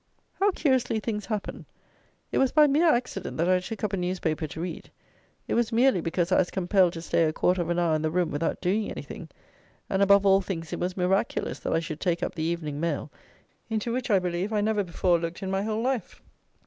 How curiously things happen! It was by mere accident that I took up a newspaper to read: it was merely because I was compelled to stay a quarter of an hour in the room without doing anything, and above all things it was miraculous that I should take up the Evening Mail, into which, I believe, I never before looked, in my whole life.